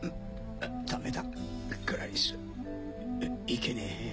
ダメだクラリスいけねえ。